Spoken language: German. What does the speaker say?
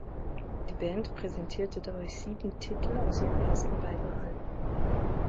Die Band präsentierte dabei sieben Titel aus ihren ersten beiden Alben.